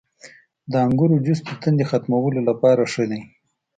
• د انګورو جوس د تندې ختمولو لپاره ښه دی.